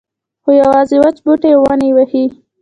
خو یوازې وچ بوټي او ونې یې وهي.